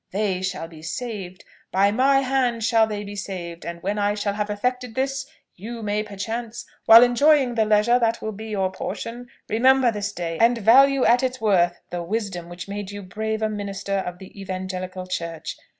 They shall be saved, by my hand shall they be saved; and when I shall have effected this, you may perchance, while enjoying the leisure that will be your portion, remember this day, and value at its worth the wisdom which made you brave a minister of the evangelical church.